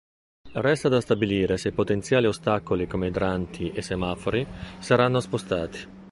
Resta da stabilire se i potenziali ostacoli come idranti e semafori saranno spostati.